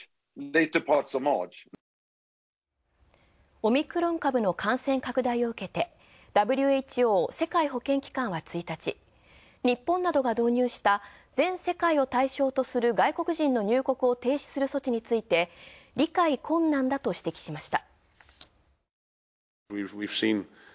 オミクロン株の感染拡大を受けてＷＨＯ＝世界保健機関は１日、日本などが導入した全世界を対象とする外国人の入国を停止する措置について理解困難だと指摘しました。